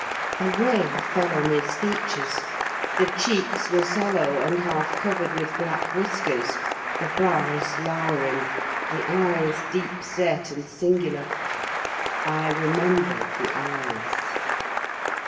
A ray fell on his features; the cheeks were sallow, and half covered with black whiskers; the brows lowering, the eyes deep set and singular. I remembered the eyes.